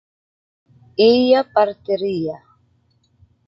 ella partiría